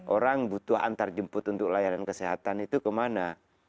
orang butuh antarjemput untuk layanan kesehatan itu kemana